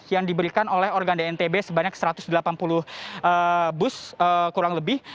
yang diberikan oleh organ dntb sebanyak satu ratus delapan puluh bus kurang lebih